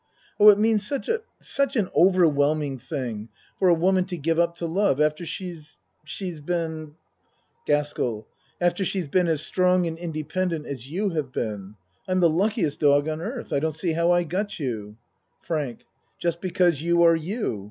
Oh, it means such a such an overwhelming thing for a woman to give up to love after she's she's been GASKELL After she's been as strong and inde pendent as you have been. I'm the luckiest dog on earth. I don't see how I got you. FRANK Just because you are you.